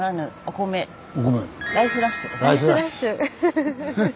ライスラッシュ！